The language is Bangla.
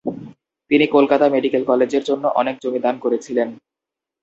তিনি কলকাতা মেডিকেল কলেজের জন্য অনেক জমি দান করেছিলেন।